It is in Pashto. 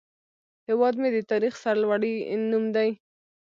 هیواد مې د تاریخ سرلوړی نوم دی